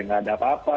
nggak ada apa apa